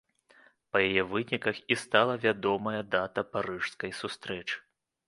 Па яе выніках і стала вядомая дата парыжскай сустрэчы.